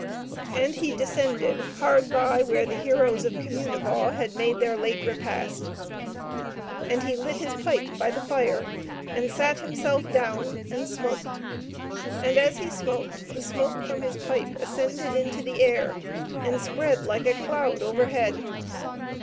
And he descended hard by where the heroes of Communipaw had made their late repast. And he lit his pipe by the fire, and sat himself down and smoked; and as he smoked the smoke from his pipe ascended into the air, and spread like a cloud overhead.